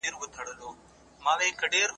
هغه د وټس اپ له لارې پیغام لېږلی و.